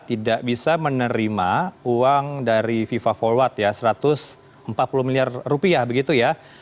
tidak bisa menerima uang dari fifa forward ya satu ratus empat puluh miliar rupiah begitu ya